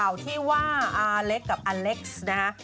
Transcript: ข่าวที่ว่าอาเล็กกับอเล็กซ์นะฮะ